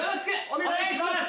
お願いします！